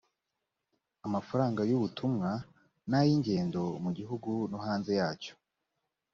amafaranga y ubutumwa n ay ingendo mu gihugu no hanze yacyo